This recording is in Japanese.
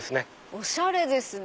おしゃれですね。